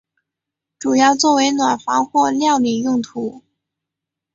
主要作为暖房或料理用途。